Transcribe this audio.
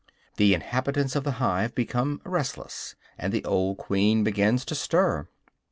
The inhabitants of the hive become restless, and the old queen begins to stir.